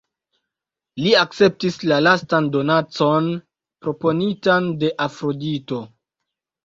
Li akceptis la lastan donacon, proponitan de Afrodito.